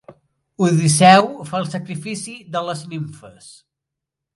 Odisseu fa el sacrifici de les Nimfes.